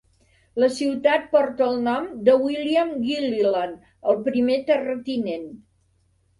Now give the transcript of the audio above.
La ciutat porta el nom de William Gilliland, el primer terratinent.